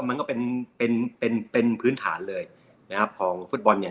เพราะว่ามันก็เป็นพื้นฐานเลยนะครับของฟุตบอลเนี่ย